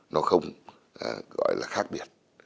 nó không gọi là khác biệt